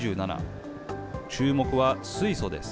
注目は水素です。